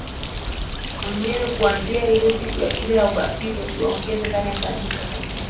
mwenyewe kuanzia ile ya ubatizo kiwaongoze ndani ya Kanisa katika